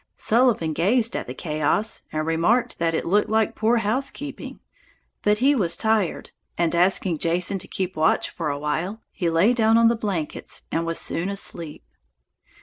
Sullivan gazed at the chaos and remarked that it looked like poor housekeeping. But he was tired, and, asking Jason to keep watch for a while, he lay down on the blankets and was soon asleep.